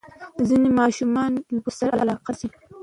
ځینې ماشومان لوبو سره علاقه نه ښیي.